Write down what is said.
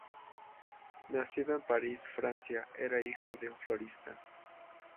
Nacido en París, Francia, era hijo de un florista.